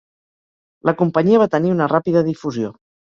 La companyia va tenir una ràpida difusió.